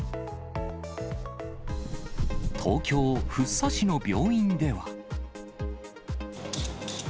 東京・福生市の病院では。